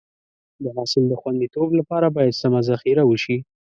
د حاصل د خونديتوب لپاره باید سمه ذخیره وشي.